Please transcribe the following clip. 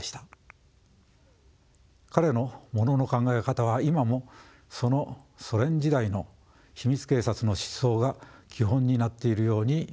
彼のものの考え方は今もそのソ連時代の秘密警察の思想が基本になっているように見えます。